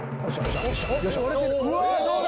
うわどうだ？